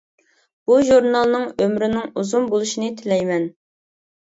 بۇ ژۇرنالنىڭ ئۆمرىنىڭ ئۇزۇن بولۇشىنى تىلەيمەن.